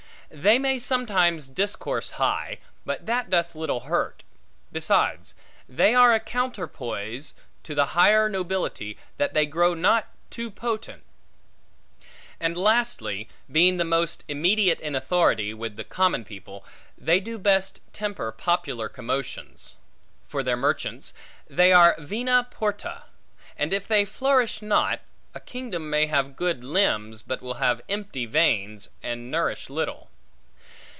They may sometimes discourse high, but that doth little hurt; besides, they are a counterpoise to the higher nobility, that they grow not too potent; and, lastly, being the most immediate in authority, with the common people, they do best temper popular commotions. For their merchants; they are vena porta; and if they flourish not, a kingdom may have good limbs, but will have empty veins, and nourish little.